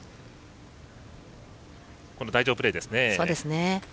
台上プレーですね。